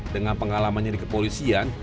dengan pengalamannya di kepolisian